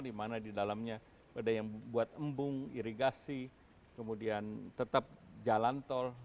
di mana di dalamnya ada yang buat embung irigasi kemudian tetap jalan tol